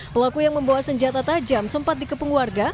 pelaku yang membawa senjata tajam sempat dikepenguarga